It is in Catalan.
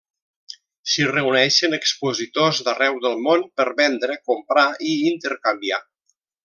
S'hi reuneixen expositors d'arreu del món per vendre, comprar i intercanviar.